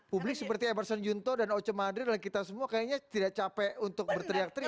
publik seperti emerson junto dan oce madri dan kita semua kayaknya tidak capek untuk berteriak teriak